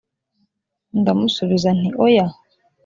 ndamusubiza nti “oya”